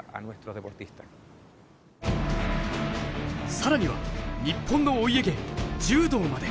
更には日本のお家芸柔道まで。